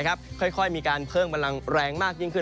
เค้ายมีการเพิ่มแรงมากยิ่งขึ้น